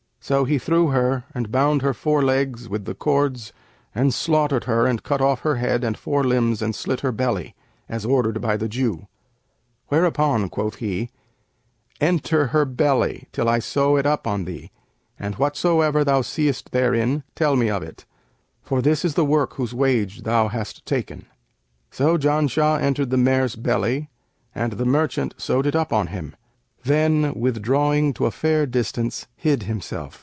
So he threw her and bound her four legs with the cords and slaughtered her and cut off her head and four limbs and slit her belly, as ordered by the Jew; whereupon quoth he, 'Enter her belly, till I sew it up on thee; and whatsoever thou seest therein, tell me of it, for this is the work whose wage thou hast taken.' So Janshah entered the mare's belly and the merchant sewed it up on him; then, withdrawing to a fair distance, hid himself.